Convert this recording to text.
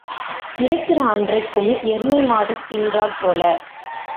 இருக்கிற அன்றைக்கு எருமை மாடு தின்றாற் போல.